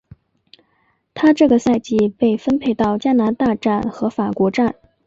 她这个赛季被分配到加拿大站和法国站。